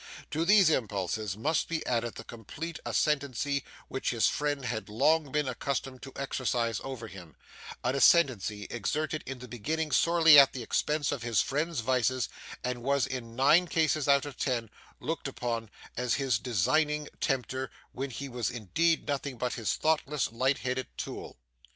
To these impulses must be added the complete ascendancy which his friend had long been accustomed to exercise over him an ascendancy exerted in the beginning sorely at the expense of his friend's vices, and was in nine cases out of ten looked upon as his designing tempter when he was indeed nothing but his thoughtless, light headed tool.